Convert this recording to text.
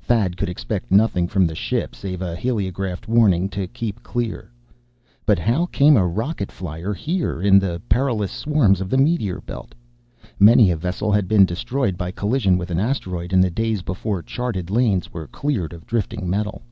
Thad could expect nothing from the ship save a heliographed warning to keep clear. But how came a rocket flier here, in the perilous swarms of the meteor belt? Many a vessel had been destroyed by collision with an asteroid, in the days before charted lanes were cleared of drifting metal.